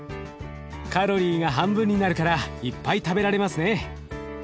カロリーが半分になるからいっぱい食べられますね。